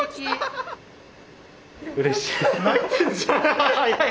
うれしい。